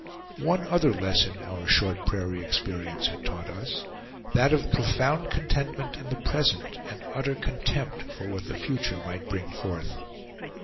One other lesson our short prairie experience had taught us; that of profound contentment in the present, and utter contempt for what the future might bring forth.